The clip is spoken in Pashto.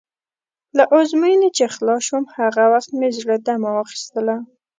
له ازموینې چې خلاص شوم، هغه وخت مې زړه دمه واخیستله.